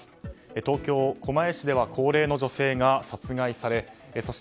東京・狛江市では高齢の女性が殺害されそして、